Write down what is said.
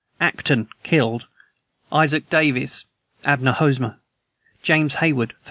ACTON. Killed: Isaac Davis, Abner Hosmer, James Hayward, 3.